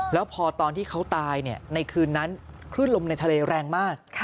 แล้วพอตอนที่เขาตายในคืนนั้นคลื่นลมในทะเลแรงมาก